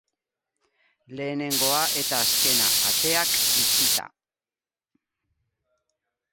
Lehenengoa eta azkena, ateak itxita.